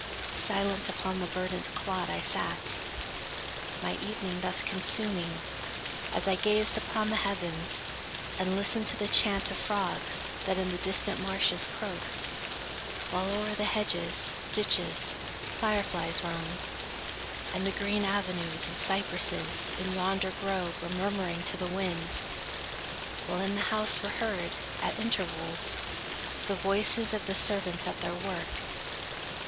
Silent upon the verdant clod I sat, My evening thus consuming, as I gazed Upon the heavens, and listened to the chant Of frogs that in the distant marshes croaked; While o'er the hedges, ditches, fire flies roamed, And the green avenues and cypresses In yonder grove were murmuring to the wind; While in the house were heard, at intervals, The voices of the servants at their work.